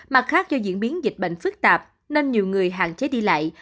mặt khác do diễn biến dịch bệnh phức tạp nên nhiều người hạn chế đi lại